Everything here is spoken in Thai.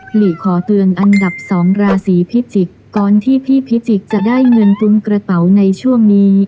หลีขอเตือนอันดับ๒ราศีพิจิกษ์ก่อนที่พี่พิจิกษจะได้เงินตุ้มกระเป๋าในช่วงนี้